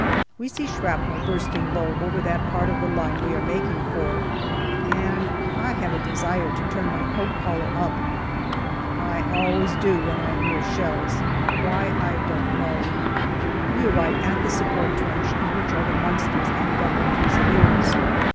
We see shrapnel bursting low over that part of the line we are making for, and I have a desire to turn my coat collar up. I always do when I am near shells. Why, I don't know. We arrive at the support trench, in which are the Munsters and Dublin Fusiliers.